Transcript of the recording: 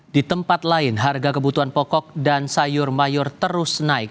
di tempat lain harga kebutuhan pokok dan sayur mayur terus naik